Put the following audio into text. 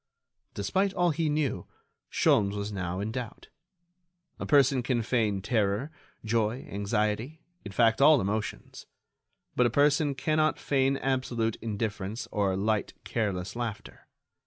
Despite all he knew, Sholmes was now in doubt. A person can feign terror, joy, anxiety, in fact all emotions; but a person cannot feign absolute indifference or light, careless laughter.